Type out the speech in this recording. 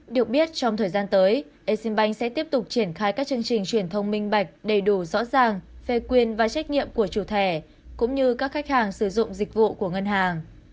được biết trong thời gian tới exim bank sẽ tiếp tục triển khai các chương trình truyền thông minh bạch đầy đủ rõ ràng về quyền và trách nhiệm của chủ thẻ cũng như các khách hàng sử dụng dịch vụ của ngân hàng